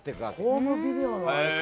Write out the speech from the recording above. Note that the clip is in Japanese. ホームビデオのあれか。